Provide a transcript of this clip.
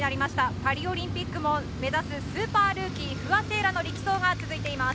パリオリンピックも目指すスーパールーキー不破聖衣来の力走が続いています。